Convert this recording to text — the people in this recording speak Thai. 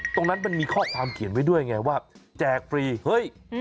มันมีข้อความเขียนไว้ด้วยไงว่าแจกฟรีเฮ้ย